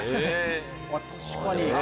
確かに。